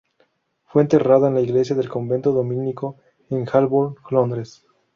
Fue enterrada en la iglesia del convento dominico en Holborn, Londres.